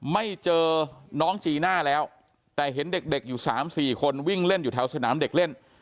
ไม่เจอน้องจีน่าแล้วแต่เห็นเด็กอยู่๓๔คนวิ่งเล่นอยู่แถวสนามเด็กเล่น